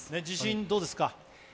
自信どうですか？